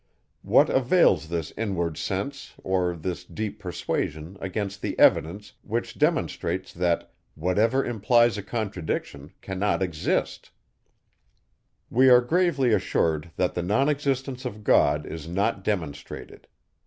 What avails this inward sense, or this deep persuasion, against the evidence, which demonstrates, that whatever implies a contradiction cannot exist? We are gravely assured, that the non existence of God is not demonstrated.